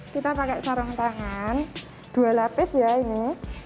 kita pakai sarung tangan dua lapis ya ini